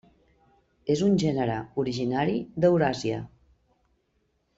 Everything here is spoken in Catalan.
És un gènere originari d'Euràsia.